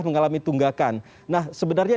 mengalami tunggakan nah sebenarnya